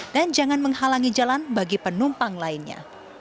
dan jangan menghalangi jalan bagi penumpang lainnya